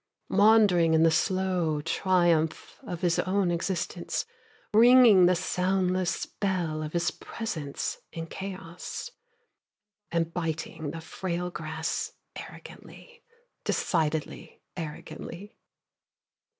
Wandering in the slow triumph of his own existence, Ringing the soundless bell of his presence in chaos, And biting the frail grass arrogantly, Decidedly arrogantly.